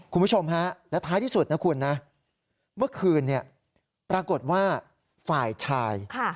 คุณผู้ชมฮะและท้ายที่สุดนะคุณนะเมื่อคืนปรากฏว่าฝ่ายชาย